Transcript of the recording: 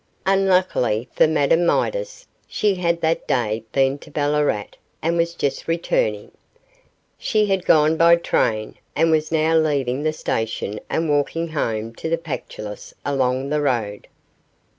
Unluckily for Madame Midas, she had that day been to Ballarat, and was just returning. She had gone by train, and was now leaving the station and walking home to the Pactolus along the road.